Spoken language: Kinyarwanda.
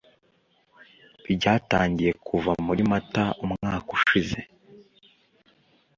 byatangiye kuva muri Mata umwaka ushize